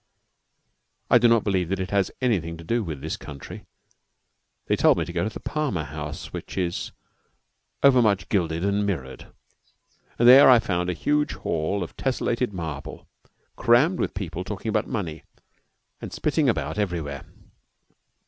I do not believe that it has anything to do with this country. They told me to go to the Palmer House, which is overmuch gilded and mirrored, and there I found a huge hall of tessellated marble crammed with people talking about money, and spitting about everywhere.